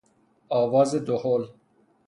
آواز دهل